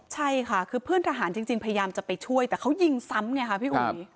ใช่ค่ะคือเพื่อนทหารจริงพยายามจะไปช่วยแต่เขายิงซ้ำไงค่ะพี่อุ๋ย